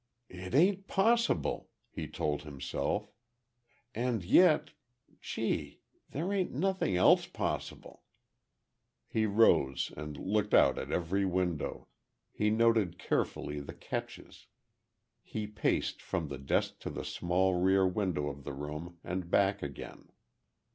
"It ain't possible—" he told himself, "and yet—gee, there ain't nothing else possible!" He rose and looked out at every window, he noted carefully the catches—he paced from the desk to the small rear windows of the room, and back again.